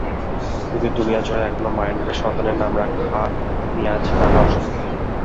কিন্তু দুনিয়াজুড়ে এখনো মায়ের নামে সন্তানের নাম রাখা নিয়ে আছে নানা অস্বস্তি।